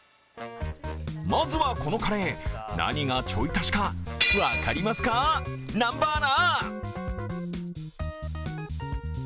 まずはこのカレー、何がちょい足しか分かりますか、南波アナ！